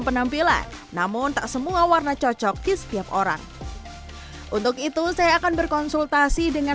penampilan namun tak semua warna cocok di setiap orang untuk itu saya akan berkonsultasi dengan